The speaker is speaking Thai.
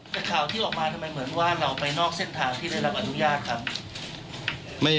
แต่ข่าวที่ออกมาทำไมเหมือนว่าเราไปนอกเส้นทางที่ได้รับอนุญาตครับ